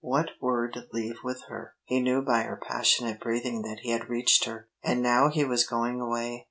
What word leave with her? He knew by her passionate breathing that he had reached her. And now he was going away.